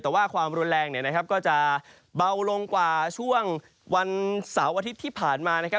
แต่ว่าความรุนแรงก็จะเบาลงกว่าช่วงวันเสาร์อาทิตย์ที่ผ่านมา